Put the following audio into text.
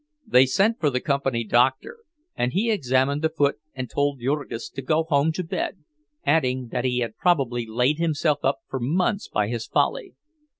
They sent for the company doctor, and he examined the foot and told Jurgis to go home to bed, adding that he had probably laid himself up for months by his folly.